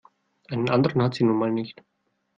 Einen anderen hat sie nun mal nicht.